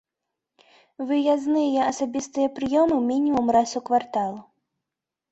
Выязныя асабістыя прыёмы мінімум раз у квартал.